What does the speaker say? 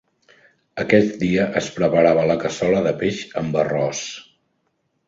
Aquest dia es preparava la cassola de peix amb arròs.